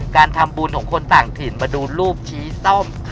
การทำบุญของคนต่างถิ่นมาดูรูปชี้ส้ม